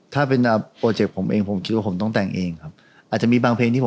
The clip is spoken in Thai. มันจะจบแบบ